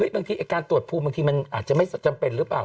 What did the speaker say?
บางทีการตรวจภูมิบางทีมันอาจจะไม่จำเป็นหรือเปล่า